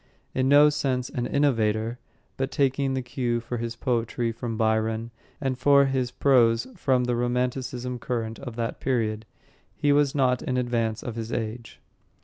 In no sense an innovator, but taking the cue for his poetry from Byron and for his prose from the romanticism current at that period, he was not in advance of his age.